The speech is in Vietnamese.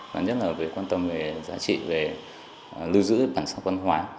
và nhất là về quan tâm về giá trị về lưu giữ bản sắc văn hóa